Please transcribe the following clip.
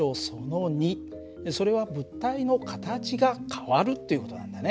それは物体の形が変わるという事なんだね。